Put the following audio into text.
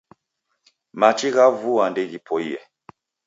Machi gha vua ndeghipoie